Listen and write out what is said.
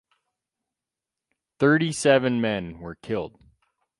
Thirty-seven men were killed.